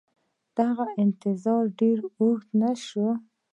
دغه انتظار ډېر اوږد نه شو